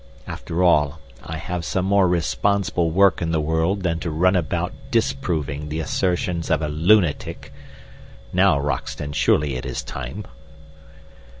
After all, I have some more responsible work in the world than to run about disproving the assertions of a lunatic. Now, Roxton, surely it is time."